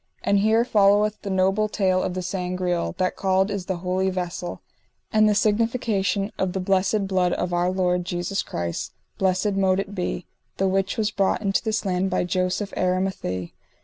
And here followeth the noble tale of the Sangreal, that called is the Holy Vessel; and the signification of the blessed blood of our Lord Jesus Christ, blessed mote it be, the which was brought into this land by Joseph Aramathie.